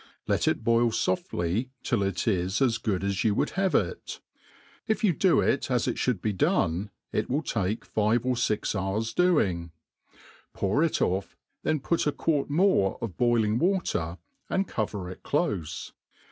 Let it boil foftlv till it is as good as you would have it. If you do it as it Ibould be done, it will take five or (ix hours doing} pour it off, then put a quart more of boiling water, and cover it clofe.